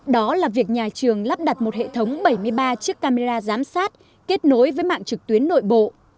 đó là việc nhà trường lắp đặt một hệ thống bảy mươi ba chiếc camera giám sát kết nối với mạng trực tuyến nội bộ